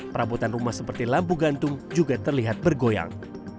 perabotan rumah seperti lampu gantung juga terlihat bergoyang